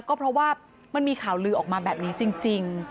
ก็เพราะว่ามันมีข่าวลือออกมาแบบนี้จริง